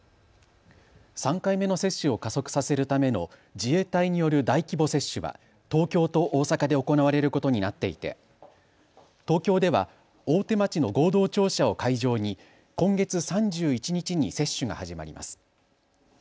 ３回目の接種を加速させるための自衛隊による大規模接種は東京と大阪で行われることになっていて東京では大手町の合同庁舎を会場に今月３１日に接種が始まります。